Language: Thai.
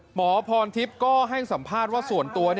หมอพรทิพย์ก็ให้สัมภาษณ์ว่าส่วนตัว